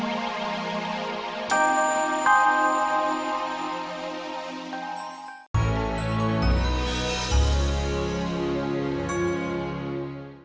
ibu sudah menggigil farah